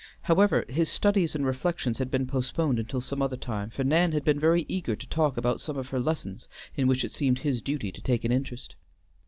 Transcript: However, his studies and reflections had been postponed until some other time, for Nan had been very eager to talk about some of her lessons in which it seemed his duty to take an interest.